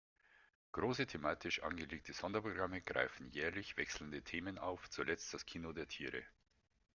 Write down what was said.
Große, thematisch angelegte Sonderprogramme greifen jährlich wechselnde Themen auf, zuletzt „Das Kino der Tiere.